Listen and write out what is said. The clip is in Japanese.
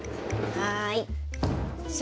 はい。